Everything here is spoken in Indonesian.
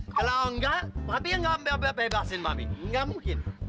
kalau enggak papi yang gak bebasin mami gak mungkin